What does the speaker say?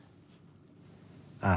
ああ。